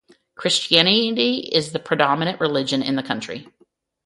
Christianity is the predominant religion in the county.